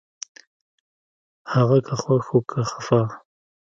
هغه که خوښ و که خپه